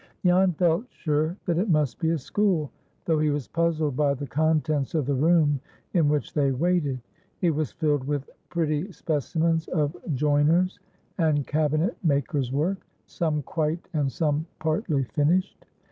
Jan felt sure that it must be a school, though he was puzzled by the contents of the room in which they waited. It was filled with pretty specimens of joiner's and cabinet maker's work, some quite and some partly finished.